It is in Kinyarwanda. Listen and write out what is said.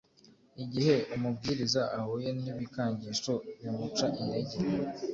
Igihe umubwiriza ahuye n’ibikangisho bimuca integer.